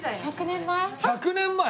１００年前！？